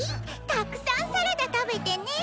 たくさんサラダ食べてね。